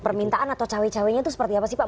permintaan atau cawe cawenya itu seperti apa sih pak